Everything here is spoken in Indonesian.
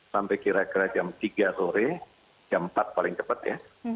sampai kira kira jam tiga sore jam empat paling cepat ya